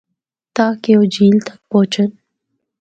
تاکہ او جھیل تک پُہچن۔